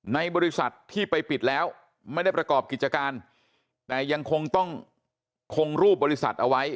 ในบริษัทที่ไปปิดแล้วไม่ได้ประกอบกิจการแต่ยังคงต้องคงรูปบริษัทเอาไว้